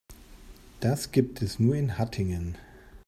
Das gibt es nur in Hattingen